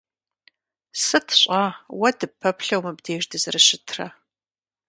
Сыт щӀа уэ дыппэплъэу мобдеж дызэрыщытрэ.